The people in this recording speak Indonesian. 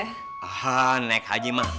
hah naik haji mah